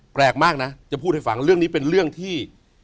แปลกมากนะจะพูดให้ฟังเรื่องนี้เป็นเรื่องที่